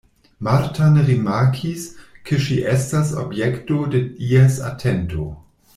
Marta ne rimarkis, ke ŝi estas objekto de ies atento.